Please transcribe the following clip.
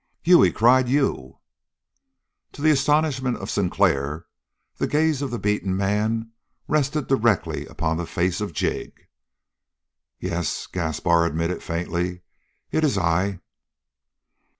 "You!" he cried. "You!" To the astonishment of Sinclair the gaze of the beaten man rested directly upon the face of Jig. "Yes," Gaspar admitted faintly, "it is I!"